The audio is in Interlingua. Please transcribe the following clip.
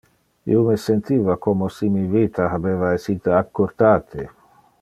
Io me sentiva como si mi vita habeva essite accurtate.